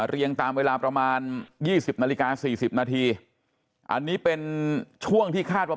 เรียงตามเวลาประมาณ๒๐นาฬิกา๔๐นาทีอันนี้เป็นช่วงที่คาดว่า